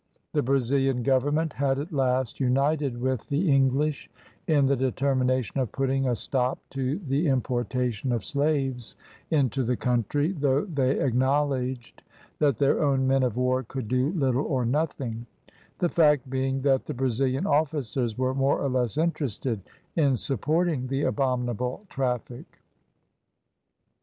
The Brazilian Government had at last united with the English in the determination of putting a stop to the importation of slaves into the country, though they acknowledged that their own men of war could do little or nothing; the fact being that the Brazilian officers were more or less interested in supporting the abominable traffic.